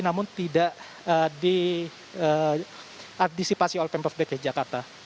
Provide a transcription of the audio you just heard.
namun tidak diantisipasi oleh pemprov dki jakarta